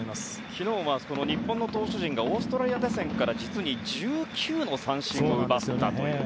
昨日は日本の投手陣がオーストラリア打線から実に１９の三振を奪ったという。